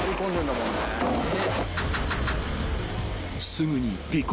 ［すぐに］